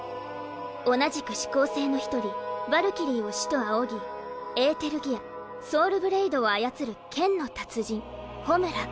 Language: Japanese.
同じく四煌星の１人ヴァルキリーを師と仰ぎエーテルギアソウルブレイドを操る剣の達人・ホムラ。